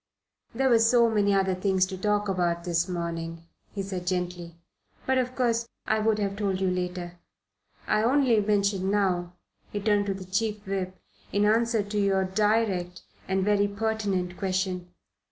"There were so many other things to talk about this morning," he said gently; "but of course I would have told you later. I only mention it now" he turned to the Chief Whip "in answer to your direct and very pertinent question."